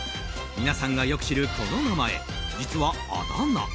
皆さんがよく知る、この名前実はあだ名。